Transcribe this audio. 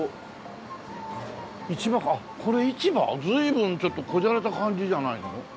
随分ちょっとこじゃれた感じじゃないの？